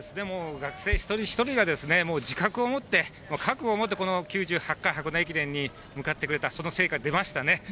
学生一人一人が自覚を持って覚悟をもって９８回箱根駅伝に向かってくれたその成果が出ました。